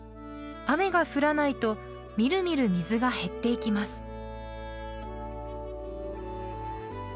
雨が降らないとみるみる水が減っていきます。